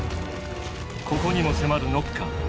ここにも迫るノッカー。